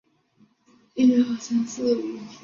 而女性则没有匿名生产的权力。